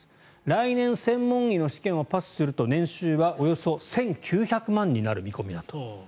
来年、専門医の試験をパスすると年収はおよそ１９００万円になる見込みだと。